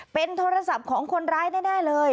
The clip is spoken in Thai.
เป็นโทรศัพท์ของคนร้ายแน่เลย